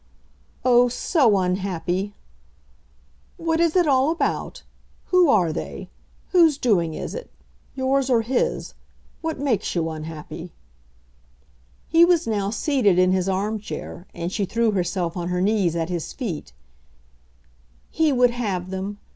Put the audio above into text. "Oh, so unhappy!" "What is it all about? Who are they? Whose doing is it, yours or his? What makes you unhappy?" He was now seated in his arm chair, and she threw herself on her knees at his feet. "He would have them.